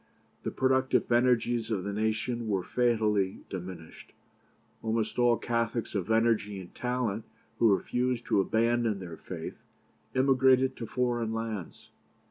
The productive energies of the nation were fatally diminished. Almost all Catholics of energy and talent who refused to abandon their faith emigrated to foreign lands.